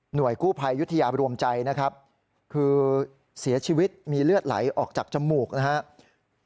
กู้ภัยยุธยารวมใจนะครับคือเสียชีวิตมีเลือดไหลออกจากจมูกนะครับ